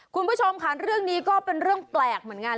คุณผู้ชมค่ะเรื่องนี้ก็เป็นเรื่องแปลกเหมือนกัน